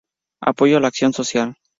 Apoyó a la acción social.